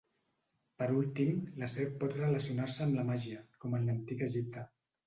Per últim, la serp pot relacionar-se amb la màgia, com en l'antic Egipte.